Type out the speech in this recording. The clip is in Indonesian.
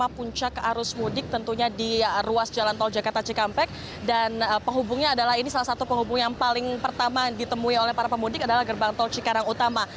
puncak arus mudik tentunya di ruas jalan tol jakarta cikampek dan penghubungnya adalah ini salah satu penghubung yang paling pertama ditemui oleh para pemudik adalah gerbang tol cikarang utama